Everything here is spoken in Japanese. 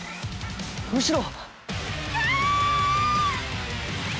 ◆後ろ！